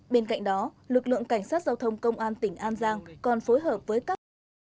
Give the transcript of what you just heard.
bên cạnh đó lực lượng cảnh sát giao thông công an tỉnh an giang còn phối hợp với các